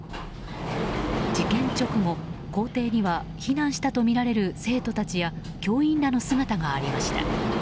事件直後、校庭には避難したとみられる生徒たちや教員らの姿がありました。